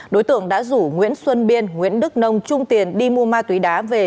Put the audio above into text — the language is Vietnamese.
đối tượng đã rủ nguyễn xuân biên nguyễn đức nông trung tiền đi mua ma túy đá về